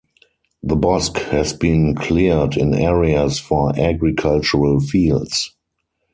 The bosque has been cleared in areas for agricultural fields.